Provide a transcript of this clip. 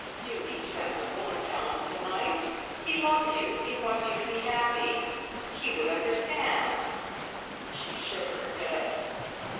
Do be sensible, and tell him to night. He loves you. He wants you to be happy. He would understand." She shook her head.